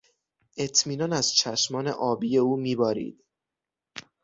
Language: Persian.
اطمینان از چشمان آبی او میبارید.